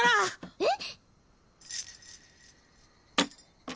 えっ！？